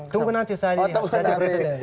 tunggu nanti saya jadi presiden